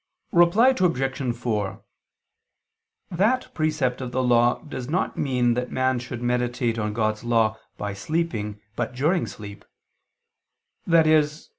Reply Obj. 4: That precept of the Law does not mean that man should meditate on God's law by sleeping, but during sleep, i.e.